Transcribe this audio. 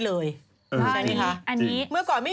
อันนี้คืออันที่